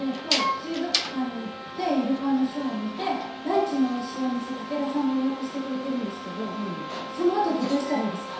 水族館に行ってイルカのショーを見てランチのおいしいお店武田さんが予約してくれてるんですけどその後ってどうしたらいいですか？